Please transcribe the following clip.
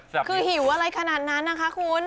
หรืออะไรขนาดนั้นนะคะคุณ